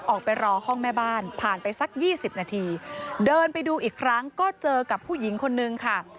ออกไปรอห้องแม่บ้านผ่านไปสักยี่สิบนาทีเดินไปดูอีกครั้งก็เจอกับผู้หญิงคนนึงค่ะ